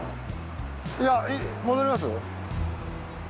いや戻ります？